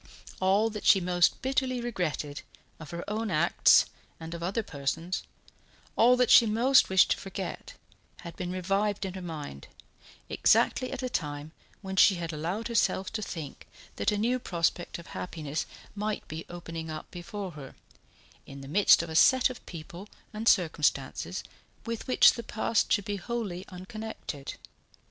All that she most bitterly regretted, of her own acts and of other persons', all that she most wished to forget, had been revived in her mind, exactly at a time when she had allowed herself to think that a new prospect of happiness might be opening up before her, in the midst of a set of people and circumstances with which the past should be wholly unconnected.